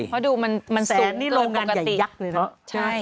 เพราะดูโรงงานใหญ่ยักษ์เลยนะ